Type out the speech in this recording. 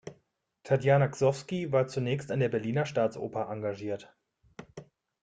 Tatjana Gsovsky war zunächst an der Berliner Staatsoper engagiert.